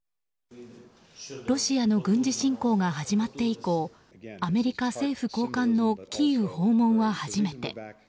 ロシアの軍事侵攻が始まって以降アメリカ政府高官のキーウ訪問は初めて。